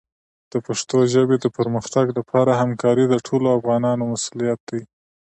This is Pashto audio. د پښتو ژبې د پرمختګ لپاره همکاري د ټولو افغانانو مسؤلیت دی.